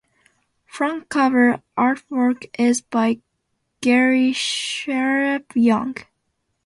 Front cover artwork is by Garry Sharpe-Young.